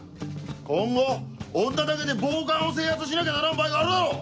今後女だけで暴漢を制圧しなきゃならん場合があるだろう！